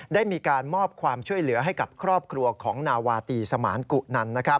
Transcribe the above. ได้มีการมอบความช่วยเหลือให้กับครอบครัวของนาวาตีสมานกุนัน